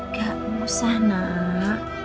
gak usah nak